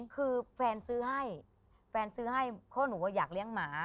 คือแฟนซื้อให้เพราะหนูก็อยากเลี้ยงหมา